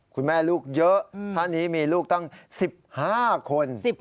คุณแม่ลูกเยอะท่านนี้มีลูกตั้ง๑๕คน